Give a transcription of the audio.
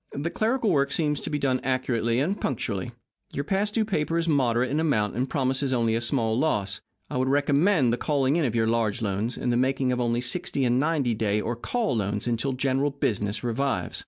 The clerical work seems to be done accurately and punctually. Your past due paper is moderate in amount, and promises only a small loss. I would recommend the calling in of your large loans, and the making of only sixty and ninety day or call loans until general business revives.